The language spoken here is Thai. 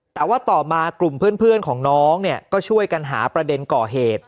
แต่ว่าต่อมากลุ่มเพื่อนของน้องเนี่ยก็ช่วยกันหาประเด็นก่อเหตุ